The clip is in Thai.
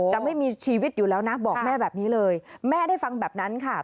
จะไม่มีชีวิตอยู่แล้วนะบอกแม่แบบนี้เลยแม่ได้ฟังแบบนั้นค่ะ